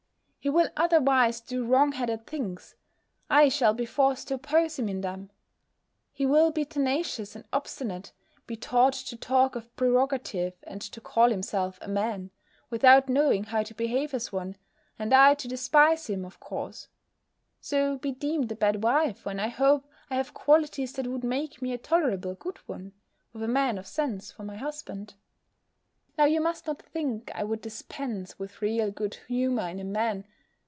He will otherwise do wrong headed things: I shall be forced to oppose him in them: he will be tenacious and obstinate, be taught to talk of prerogative, and to call himself a man, without knowing how to behave as one, and I to despise him, of course; so be deemed a bad wife, when, I hope, I have qualities that would make me a tolerable good one, with a man of sense for my husband. Now you must not think I would dispense with real good humour in a man.